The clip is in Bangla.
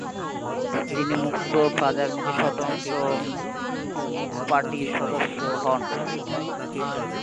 তিনি মুক্তবাজারমুখী স্বতন্ত্র পার্টির সদস্য হন।